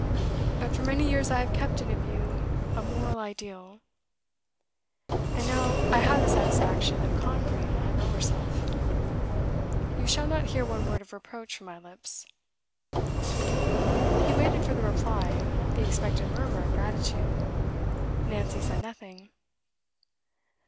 But for many years I have kept in view a moral ideal, and now I have the satisfaction of conquering my lower self. You shall not hear one word of reproach from my lips.' He waited for the reply, the expected murmur of gratitude. Nancy said nothing.